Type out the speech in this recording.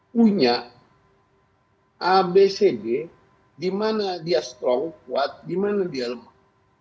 punya abcd di mana dia strong kuat di mana dia lemah